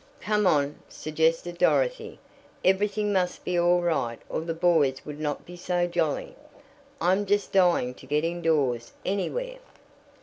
"Come on," suggested Dorothy. "Everything must be all right or the boys would not be so jolly. I'm just dying to get indoors anywhere."